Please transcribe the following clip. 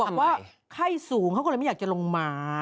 บอกว่าไข้สูงเขาก็เลยไม่อยากจะลงมา